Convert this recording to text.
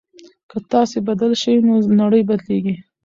که تاسو بدل شئ نو نړۍ بدليږي.